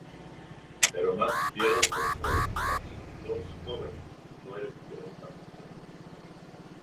Pero Max pierde el control y las dos jóvenes mueren violentamente.